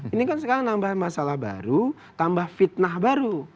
ini kan sekarang nambah masalah baru tambah fitnah baru